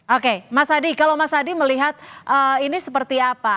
oke mas adi kalau mas adi melihat ini seperti apa